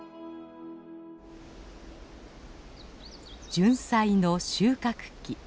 ジュンサイの収穫期。